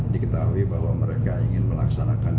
diketahui bahwa mereka ingin melaksanakan